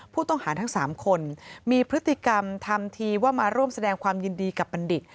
ผู้ต้องหาทั้ง๓คนมีพฤติกรรมทำทีว่ามาร่วมแสดงความยินดีกับบัณฑิต